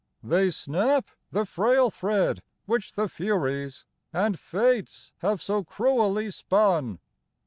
They snap the frail thread which the Furies And Fates have so cruelly spun.